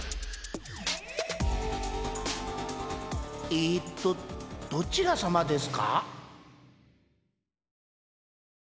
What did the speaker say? えっとどちらさまですか？